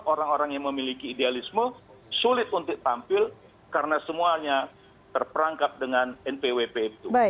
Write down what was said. orang orang yang memiliki idealisme sulit untuk tampil karena semuanya terperangkap dengan npwp itu